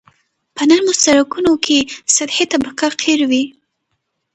په نرمو سرکونو کې سطحي طبقه قیر وي